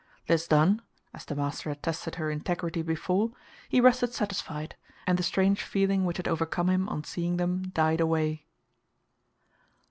This done as the master had tested her integrity before he rested satisfied, and the strange feeling which had overcome him on seeing them died away.